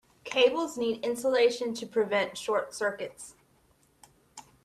Cables need insulation to prevent short circuits.